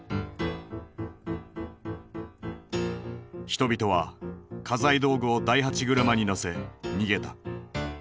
人々は家財道具を大八車に載せ逃げた。